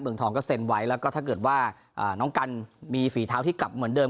เมืองทองก็เซ็นไว้แล้วก็ถ้าเกิดว่าน้องกันมีฝีเท้าที่กลับเหมือนเดิม